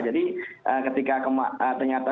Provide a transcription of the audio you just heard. jadi ketika ternyata